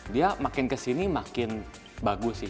dia makin kesini makin bagus sih